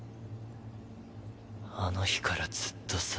あの日からずっとさ。